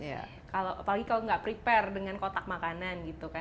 apalagi kalau tidak prepare dengan kotak makanan